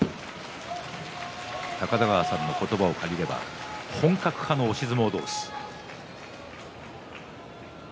高田川さんの言葉を借りれば本格派の押し相撲同士です。